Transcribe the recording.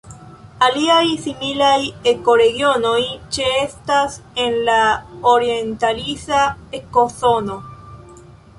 Aliaj similaj ekoregionoj ĉeestas en la orientalisa ekozono.